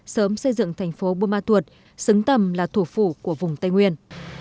sớm xây dựng thành phố buôn ma thuột xứng tầm là thủ phủ của vùng tây nguyên